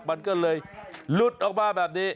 มันก็เลยหลุดออกมาแบบนี้